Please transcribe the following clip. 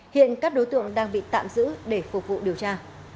hiện các đối tượng đang bị tạm giữ để phục vụ điều tra